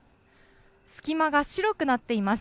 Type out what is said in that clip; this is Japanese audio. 隙間が白くなっています。